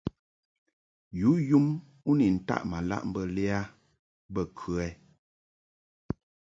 Yǔ yum u ni taʼ ma laʼ mbə lɛ a bə kə ɛ ?